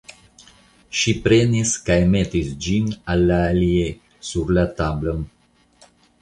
Ŝi prenis kaj metis ĝin al la aliaj sur la tablon.